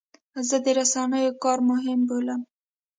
زه د رسنیو کار مهم بولم.